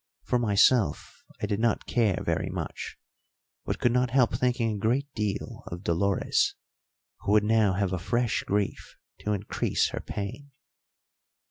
For myself, I did not care very much, but could not help thinking a great deal of Dolores, who would now have a fresh grief to increase her pain.